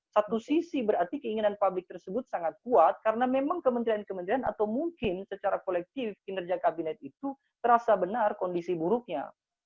satu sisi berarti keinginan publik tersebut sangat kuat karena memang kementerian kementerian atau mungkin secara kolektif kinerja kabinet itu terasa benar kondisi buruknya